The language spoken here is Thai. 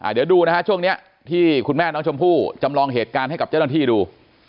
เดี๋ยวดูนะฮะช่วงนี้ที่คุณแม่น้องชมพู่จำลองเหตุการณ์ให้กับเจ้าหน้าที่ดู